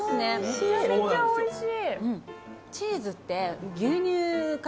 めちゃめちゃおいしい！